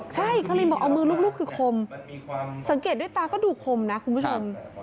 ใช่คาลินบอกเอามือลูกคือคมสังเกตด้วยตาก็ดูคมนะคุณผู้ชม